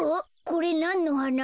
これなんのはな？